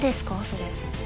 それ。